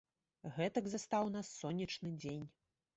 Гэтак застаў нас сонечны дзень.